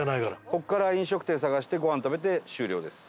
ここから飲食店探してごはん食べて終了です。